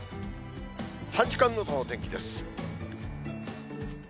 ３時間ごとの天気です。